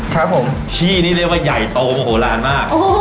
ครับผมที่นี่เรียกว่าใหญ่โตโมโหลานมาก